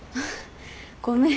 ごめん。